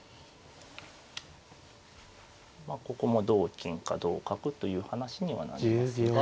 まあここも同金か同角という話にはなりますが。